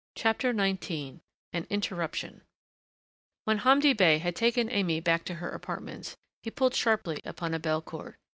CHAPTER XIX AN INTERRUPTION When Hamdi Bey had taken Aimée back to her apartments he pulled sharply upon a bellcord.